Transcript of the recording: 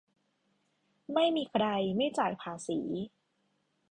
- ไม่มีใครไม่จ่ายภาษี